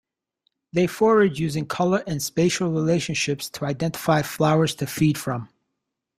They forage using colour and spatial relationships to identify flowers to feed from.